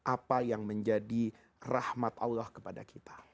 apa yang menjadi rahmat allah kepada kita